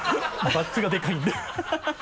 バックがでかいんで